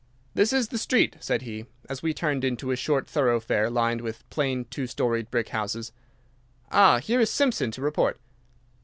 "This is the street," said he, as we turned into a short thoroughfare lined with plain two storied brick houses. "Ah, here is Simpson to report."